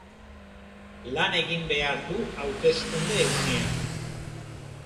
Lan egin behar du hauteskunde egunean.